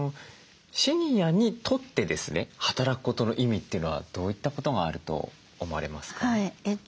シニアにとってですね「働くことの意味」というのはどういったことがあると思われますか？